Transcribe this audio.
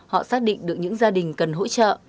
họ xác định được những gia đình cần hỗ trợ